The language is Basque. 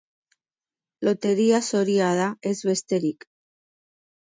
Loteria zoria da, ez besterik.